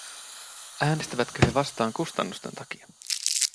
Äänestävätkö he vastaan kustannusten takia?